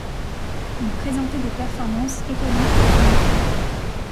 Il présentait des performances étonnantes pour son époque.